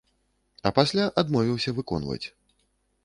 А пасля адмовіўся выконваць.